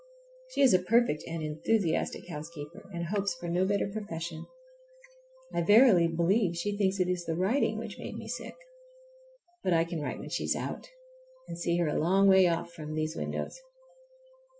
She is a perfect, and enthusiastic housekeeper, and hopes for no better profession. I verily believe she thinks it is the writing which made me sick! But I can write when she is out, and see her a long way off from these windows.